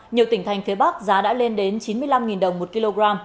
nhiều tỉnh thành phía bắc giá đã lên đến chín mươi năm đồng một kg